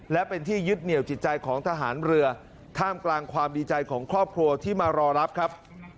และเป็นที่ยึดเหนียวจิตใจของทหารเรือท่ามกลางความดีใจของครอบครัวที่มารอรับครับ